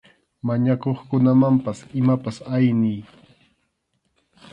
Mañakuqkunamanpas imapas ayniy.